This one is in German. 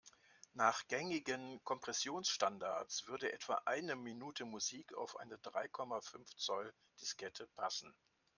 Nach gängigen Kompressionsstandards würde etwa eine Minute Musik auf eine drei Komma fünf Zoll-Diskette passen.